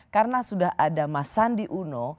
karena sudah ada mas sandi uno